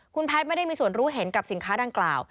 คุณแพทย์ไม่ได้มีส่วนรู้เห็นกับสินค้าดังกล่าว